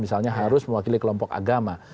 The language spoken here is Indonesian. misalnya harus mewakili kelompok agama